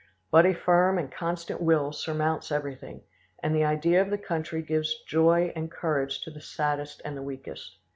But a firm and constant will surmounts everything, and the idea of the country gives joy and courage to the saddest and the weakest.